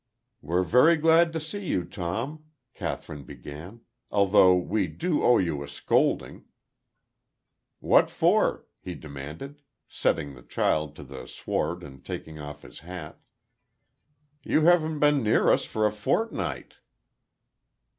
"We're very glad to see you, Tom," Kathryn began; "although we do owe you a scolding." "What for?" he demanded, setting the child to the sward and taking off his hat. "You haven't been near us for a fortnight."